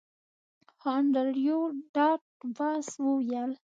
هو انډریو ډاټ باس وویل